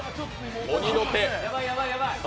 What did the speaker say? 鬼の手。